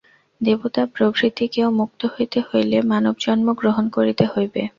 দেবতা প্রভৃতিকেও মুক্ত হইতে হইলে মানবজন্ম গ্রহণ করিতে হইবে।